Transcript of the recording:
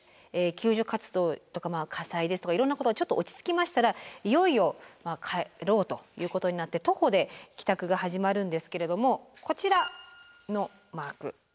救助活動とか火災ですとかいろんなことがちょっと落ち着きましたらいよいよ帰ろうということになって徒歩で帰宅が始まるんですけれどもこちらのマーク